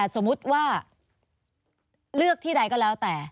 สมมุติว่าเลือกที่ใดก็แล้วแต่